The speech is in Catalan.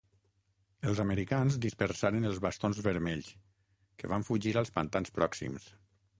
Els americans dispersaren els Bastons Vermells, que van fugir als pantans pròxims.